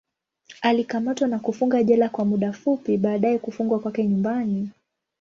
Alikamatwa na kufungwa jela kwa muda fupi, baadaye kufungwa kwake nyumbani.